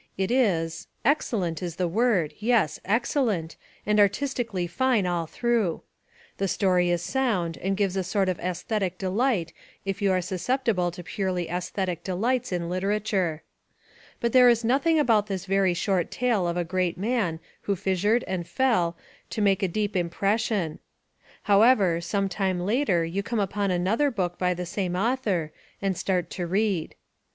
It is excellent is the word, yes, excellent and artistically fine all through. The story is sound and gives a sort of aesthetic delight if you are susceptible to purely aesthetic delights in literature. But there is nothing about this very short tale of a great man who fissured and fell to make a deep impression. However, some time later you come upon another book by the same author and start to read.